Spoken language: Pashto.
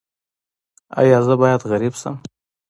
ایا زه باید غریب شم؟